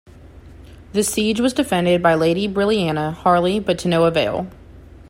This siege was defended by Lady Brilliana Harley but to no avail.